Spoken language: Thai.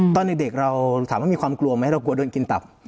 ตอนเด็กเราถามว่ามีความกลัวไหมเรากลัวโดนกินตับ